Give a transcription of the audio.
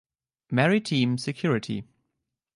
Maritime Security